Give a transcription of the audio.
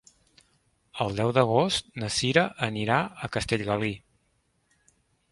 El deu d'agost na Cira anirà a Castellgalí.